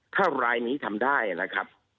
ถ้ารายนี้ทำได้นะครับ